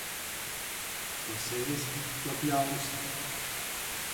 Ko sēsi, to pļausi.